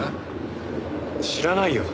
知らないよ。